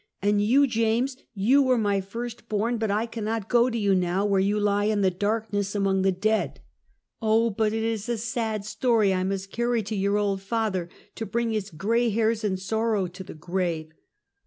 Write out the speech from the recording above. and you, James! you were my first born, but I cannot go to you now, where you lie in the darkness among the dead! Oh, but it is a sad story I must carry to your old father, to bring his gray hairs in sorrow to the grave.